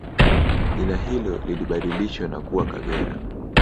Jina hilo lilibadilishwa na kuwa Kagera